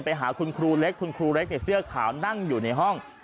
ไปหาคุณครูเล็กคุณครูเล็กเนี่ยเสื้อขาวนั่งอยู่ในห้อง